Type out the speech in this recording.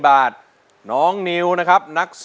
เพลงที่สามนะครับ